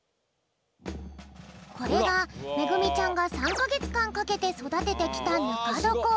これがめぐみちゃんが３かげつかんかけてそだててきたぬかどこ。